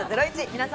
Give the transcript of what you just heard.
皆さん